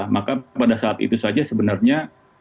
maka pada saat itu saja sebenarnya